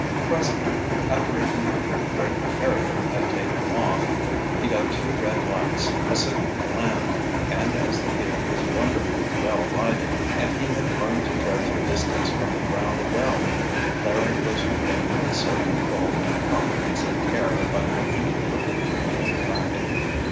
Presently, after a commercial freight carrier had taken off, he got two red lights, a signal to land, and as the field was wonderfully well lighted, and he had learned to judge distance from the ground well, Larry was repaid for his self control and confidence and care by making a perfect three point landing.